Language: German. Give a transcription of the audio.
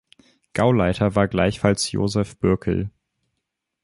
Gauleiter war gleichfalls Josef Bürckel.